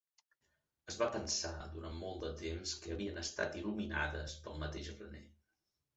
Es va pensar durant molt de temps que havien estat il·luminades pel mateix René.